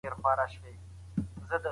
سلیم ذهن تر ناروغ ذهن ښې پرېکړې کوي.